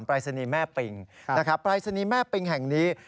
ปรายศนีแม่ปิงปรายศนีแม่ปิงแห่งนี้